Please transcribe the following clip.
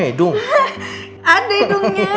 pasti seneng banget